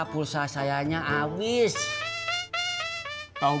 tidak ada siapknown